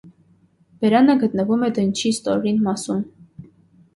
Բերանը գտնվում է դնչի ստորին մասում։